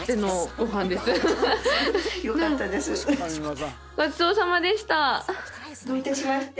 ごちそうさまでした。